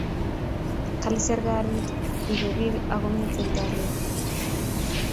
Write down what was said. Kale serkalit ribe pik ako miten kalyet